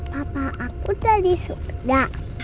papa aku udah di surga